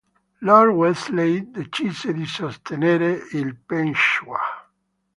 Lord Wellesley decise di sostenere il Peshwa.